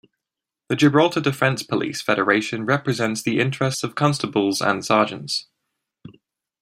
The Gibraltar Defence Police Federation represents the interests of constables and sergeants.